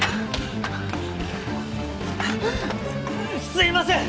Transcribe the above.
すいません！